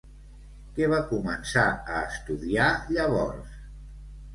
Què va començar a estudiar llavors?